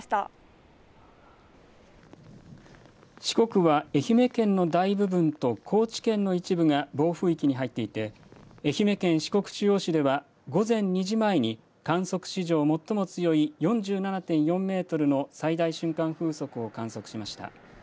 四国は愛媛県の大部分と高知県の一部が暴風域に入っていて、愛媛県四国中央市では、午前２時前に、観測史上最も強い４７．４メートルの最大瞬間風速を観測しました。